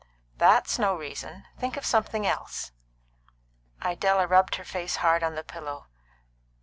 That's no reason. Think of something else." Idella rubbed her face hard on the pillow.